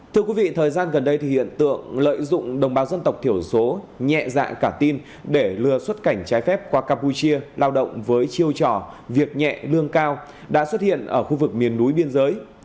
thưa quý vị thời gian gần đây thì hiện tượng lợi dụng đồng bào dân tộc thiểu số nhẹ dạ cả tin để lừa xuất cảnh trái phép qua campuchia lao động với chiêu trò việc nhẹ lương cao đã xuất hiện ở khu vực miền núi biên giới